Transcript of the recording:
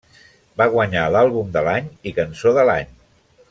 Va guanyar l'Àlbum de l'any i cançó de l'any.